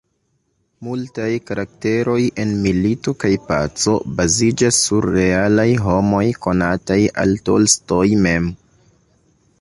Multaj karakteroj en "Milito kaj paco" baziĝas sur realaj homoj konataj al Tolstoj mem.